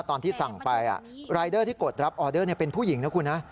ตอนที่สั่งไปรายเดอร์ที่กดรับออเดอร์เป็นผู้หญิงนะคุณนะ